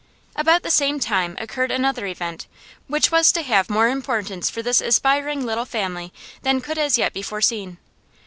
About the same time occurred another event which was to have more importance for this aspiring little family than could as yet be foreseen.